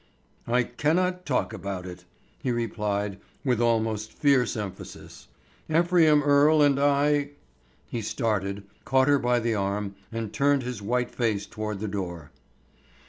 "I cannot talk about it," he replied with almost fierce emphasis. "Ephraim Earle and I—" He started, caught her by the arm and turned his white face toward the door.